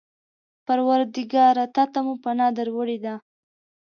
پروردګاره! تا ته مو پناه در وړې ده.